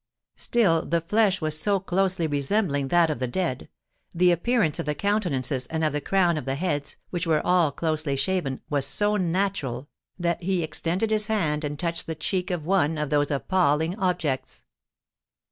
Still the flesh was so closely resembling that of the dead—the appearance of the countenances and of the crown of the heads, which were all closely shaven, was so natural, that he extended his hand and touched the cheek of one of those appalling objects.